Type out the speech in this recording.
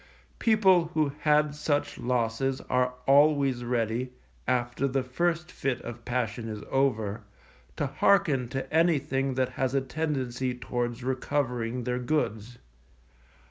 People who had such losses are always ready, after the first fit of passion is over, to hearken to anything that has a tendency towards recovering their goods.